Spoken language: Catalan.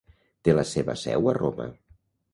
Té la seva seu a Roma.